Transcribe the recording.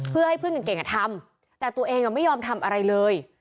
เพื่อให้เพื่อนเก่งทำแต่ตัวเองไม่ยอมทำอะไรเลย